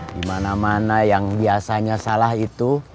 gimana mana yang biasanya salah itu